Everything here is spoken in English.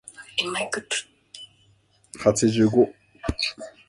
If the contract is terminated the square is shown with solid shading.